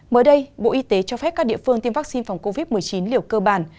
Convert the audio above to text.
mới đây bộ y tế cho phép các địa phương tiêm vaccine phòng covid một mươi chín liều cơ bản